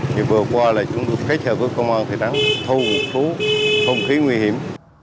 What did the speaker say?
thì vừa qua là chúng tôi kết hợp với công an thị trấn thâu khí nguy hiểm